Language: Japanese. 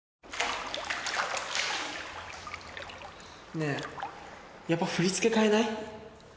ねえやっぱ振り付け変えない？